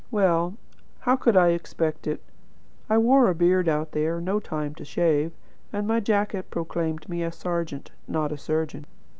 Well, how could I expect it? I wore a beard out there; no time to shave; and my jacket proclaimed me a serjeant, not a surgeon.